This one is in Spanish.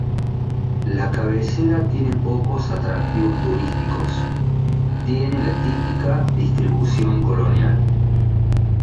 La cabecera tiene pocos atractivos turísticos, tiene la típica distribución colonial.